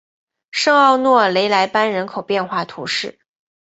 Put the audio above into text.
圣奥诺雷莱班人口变化图示